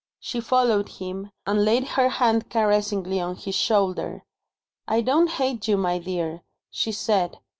She followed him, and laid her hand caressingly on his shoulder. "I don't hate you, my dear," she said.